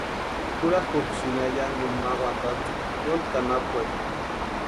Jurakʼuksïni ayankuni ma wantantskwa yóntki anapueri.